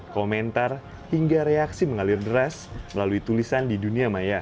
komentar hingga reaksi mengalir deras melalui tulisan di dunia maya